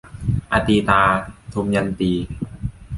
อตีตา - ทมยันตี